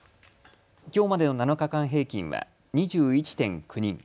きょうまでの７日間平均は２１．９人。